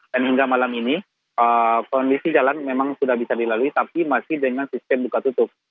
dan hingga malam ini kondisi jalan memang sudah bisa dilalui tapi masih dengan sistem buka tutup